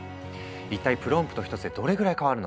一体プロンプト一つでどれぐらい変わるのか？